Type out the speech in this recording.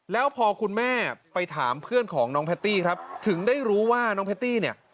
แล้วพอคุณแม่ไปถามเพื่อนของน้องแพตตี้ครับถึงได้รู้ว่าน้องแพตตี้เนี่ย